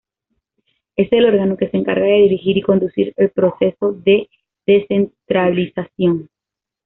Es el órgano que se encarga de dirigir y conducir el proceso de descentralización.